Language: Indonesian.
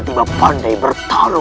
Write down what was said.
semua yang perlu